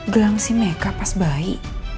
gelang si meka pas bayi